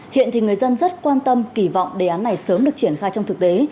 hiện thì người dân rất quan tâm kỳ vọng đề án này sớm được triển khai trong thực tế